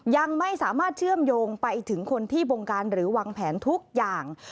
ยังไม่สามารถเชื่อมโยงไปถึงคนที่บงการหรือวางแผนทุกอย่าง